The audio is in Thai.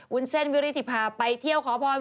เส้นวิริธิพาไปเที่ยวขอพร